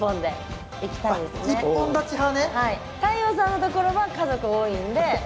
太陽さんのところは家族多いんで３本。